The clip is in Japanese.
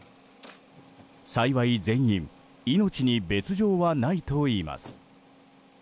幸い全員命に別条はないといいます。